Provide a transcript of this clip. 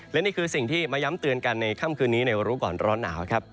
และนี่คือสิ่งที่มาย้ำเตือนกันในค่ำคืนนี้ในรู้ก่อนร้อนหนาวครับ